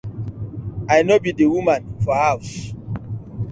I no bi di woman for haws.